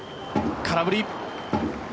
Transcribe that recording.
空振り。